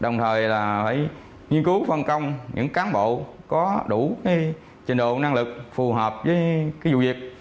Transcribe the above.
đồng thời là phải nghiên cứu phân công những cán bộ có đủ trình độ năng lực phù hợp với vụ việc